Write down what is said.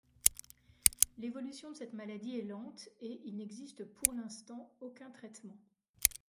L’évolution de cette maladie est lente et il n’existe pour l'instant aucun traitement.